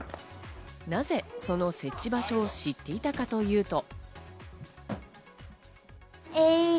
なぜその設置場所を知っていたかというと。